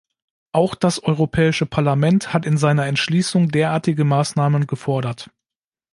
Auch das Europäische Parlament hat in seiner Entschließung derartige Maßnahmen gefordert.